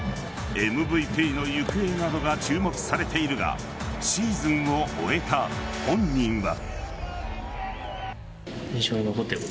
ＭＶＰの行方などが注目されているがシーズンを終えた本人は。